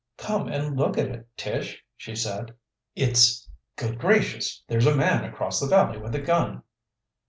"Come and look at it, Tish!" she said. "It's Good gracious! There's a man across the valley with a gun!"